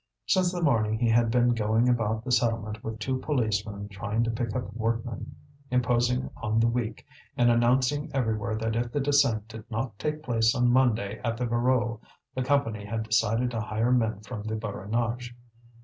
Since the morning he had been going about the settlement with two policemen, trying to pick up workmen, imposing on the weak, and announcing everywhere that if the descent did not take place on Monday at the Voreux, the Company had decided to hire men from the Borinage.